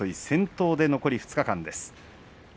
先頭で残り２日間です。